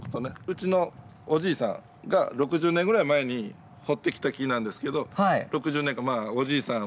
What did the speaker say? うちのおじいさんが６０年ぐらい前に掘ってきた木なんですけど６０年間まあおじいさん